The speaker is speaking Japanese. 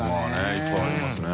いっぱいありますね